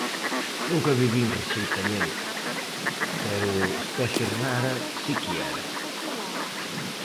Nunca vivín rexeitamento, pero especie rara si que era.